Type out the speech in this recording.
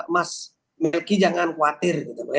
mas melki jangan khawatir